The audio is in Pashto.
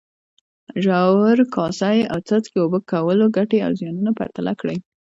ژور، کاسه یي او څاڅکي اوبه کولو ګټې او زیانونه پرتله کړئ.